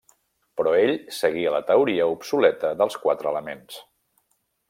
Però ell seguia la teoria obsoleta dels quatre elements.